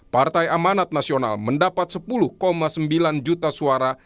partai amanat nasional mendapat sepuluh sembilan juta suara